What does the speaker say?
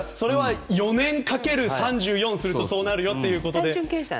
それは４年かける３４をするとそうなるよということで。